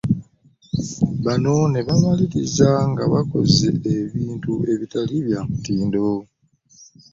Bano ne bamaliriza nga bakoze ebintu ebitali bya mutindo